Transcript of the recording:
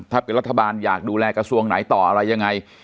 ถ้าเป็นรัฐบาลอยากดูแลกระทรวงไหนต่ออะไรยังไง